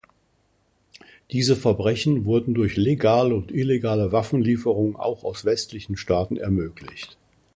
Diese Verbrechen wurden durch legale und illegale Waffenlieferungen auch aus westlichen Staaten ermöglicht.